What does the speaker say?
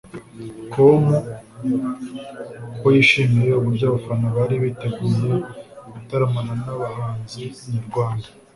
com ko yishimiye uburyo abafana bari biteguye gutaramana n’abahanzi nyarwanda